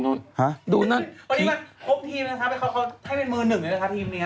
ครับครบทีมที่ยังเป็นมือหนึ่งเลย